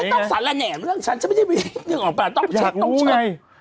ไม่ต้องสารแหละเนี่ยเรื่องฉันฉันไม่ได้มีเรื่องของปลาต้องเช็คต้องเชิง